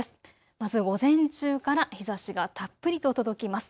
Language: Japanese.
まず午前中から日ざしがたっぷりと届きます。